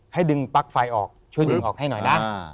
ดึงปลั๊กไฟออกช่วยดึงออกให้หน่อยนะ